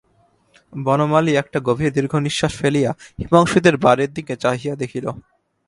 বনমালী একটা গভীর দীর্ঘনিশ্বাস ফেলিয়া হিমাংশুদের বাড়ির দিকে চাহিয়া দেখিল।